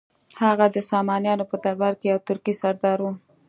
هغه د سامانیانو په درباره کې یو ترکي سردار و.